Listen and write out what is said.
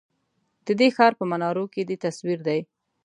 ددې ښار په منارو کی دی تصوير دی